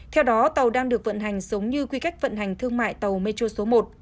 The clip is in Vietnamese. theo đó tàu đang được vận hành giống như quy cách vận hành thương mại tàu metro số một